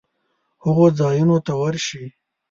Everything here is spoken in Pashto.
هغو ځایونو ته ورشي